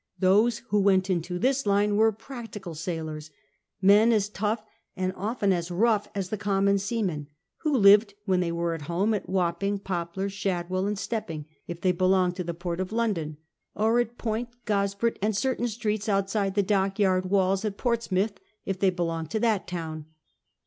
Those who went into this line were practical sailors, men as tough and often as rough as the common seamen, who lived, when they were at home, at Wapping, Poplar, Shad well, and Stepping, if they belonged to the port of Jjondoii ; or at Point, Gosport, and c(5rtain streets outside the dockyard walls at Ports mouth if they belonged to that town.